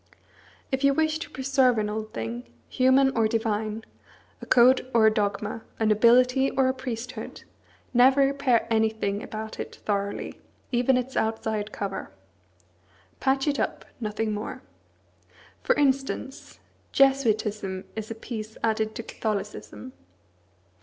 If you wish to preserve an old thing, human or divine, a code or a dogma, a nobility or a priesthood, never repair anything about it thoroughly, even its outside cover. Patch it up, nothing more. For instance, Jesuitism is a piece added to Catholicism.